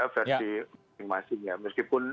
versi masing masing meskipun